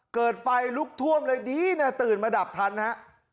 เกิดไฟลุกท่วมเลยดีนะตื่นมาดับทันฮะ